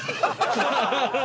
ハハハハ！